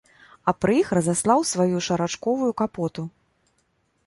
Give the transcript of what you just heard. А пры іх разаслаў сваю шарачковую капоту.